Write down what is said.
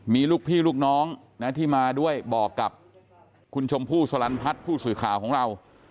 มีลูกพี่ลูกน้องนะที่มาด้วยบอกกับคุณชมพู่สลันพัฒน์ผู้สื่อข่าวของเรา